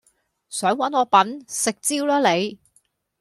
想搵我笨？食蕉啦你！